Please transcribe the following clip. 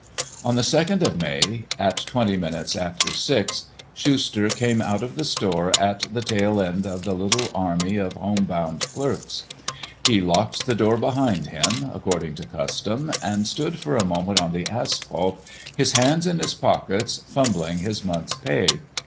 On the second of May, at twenty minutes after six, Schuster came out of the store at the tail end of the little army of home bound clerks. He locked the door behind him, according to custom, and stood for a moment on the asphalt, his hands in his pockets, fumbling his month's pay.